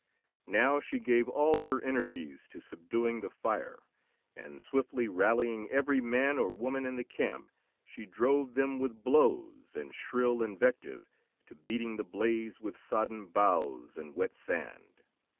Now she gave all her energies to subduing the fire; and, swiftly rallying every man or woman in the camp she drove them with blows and shrill invective to beating the blaze with sodden boughs and wet sand.